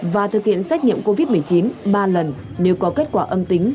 và thực hiện xét nghiệm covid một mươi chín ba lần nếu có kết quả âm tính